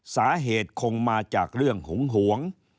สาเหตุคงมาจากเรื่องหึงหวง